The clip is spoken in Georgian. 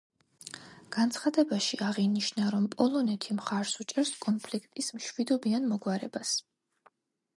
განცხადებაში აღინიშნა, რომ პოლონეთი მხარს უჭერს კონფლიქტის მშვიდობიან მოგვარებას.